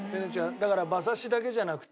だから馬刺しだけじゃなくて。